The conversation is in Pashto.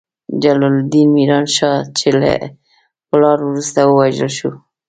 جلال الدین میران شاه، چې له پلار وروسته ووژل شو.